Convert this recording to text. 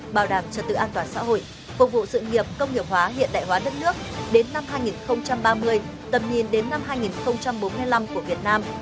bảo đảm trật tự an toàn xã hội phục vụ sự nghiệp công nghiệp hóa hiện đại hóa đất nước đến năm hai nghìn ba mươi tầm nhìn đến năm hai nghìn bốn mươi năm của việt nam